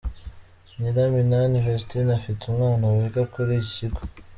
Nyiraminani Vestine afite umwana wiga kuri iki kigo.